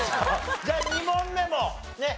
じゃあ２問目もねっ。